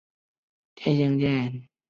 有子戴槚任儒学教谕。